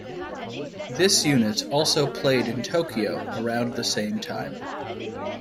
This unit also played in Tokyo around the same time.